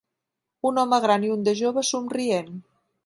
Un home gran i un de jove somrient.